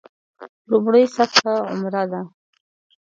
لومړۍ سطح عمره ده.